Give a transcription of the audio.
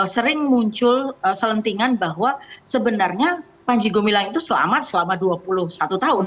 sering muncul selentingan bahwa sebenarnya panji gumilang itu selamat selama dua puluh satu tahun